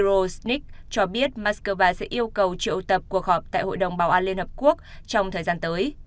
euro snik cho biết moscow sẽ yêu cầu triệu tập cuộc họp tại hội đồng bảo an liên hợp quốc trong thời gian tới